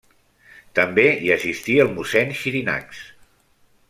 També hi assistí el mossèn Xirinacs.